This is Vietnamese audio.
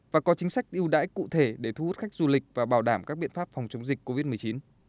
và có chính sách ưu đãi cụ thể để thu hút khách du lịch và bảo đảm các biện pháp phòng chống dịch covid một mươi chín